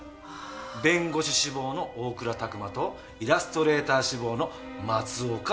弁護士志望の大倉琢磨とイラストレーター志望の松岡志保。